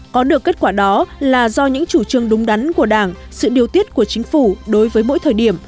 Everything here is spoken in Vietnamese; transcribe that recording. có được kết quả đó là do những chủ trương đúng đắn của đảng sự điều tiết của chính phủ đối với mỗi thời điểm